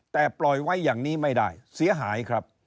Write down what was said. แต่ปล่อยไว้อย่างนี้ไม่ได้เสียหายครับ